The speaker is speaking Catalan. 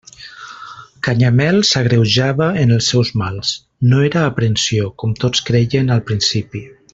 Canyamel s'agreujava en els seus mals: no era aprensió, com tots creien al principi.